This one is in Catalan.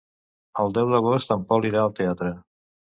El deu d'agost en Pol irà al teatre.